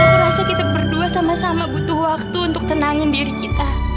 dan aku rasa kita berdua sama sama butuh waktu untuk tenangin diri kita